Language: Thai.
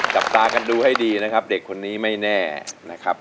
จับตากันดูให้ดีนะครับเด็กคนนี้ไม่แน่นะครับ